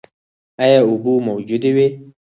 ایا اوبه موجودې وې؟